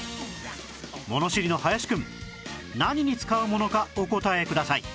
物知りの林くん何に使うものかお答えください